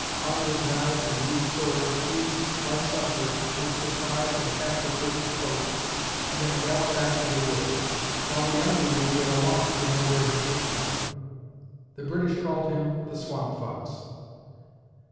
Armed with knives and rude swords, he, like Sumter, would surprise and capture British posts and then gallop back to the woods, while the enemy would be at a loss to know where he came from. The British called him the "Swamp Fox."